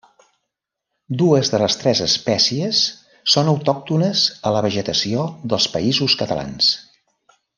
Dues de les tres espècies són autòctones a la vegetació dels Països Catalans.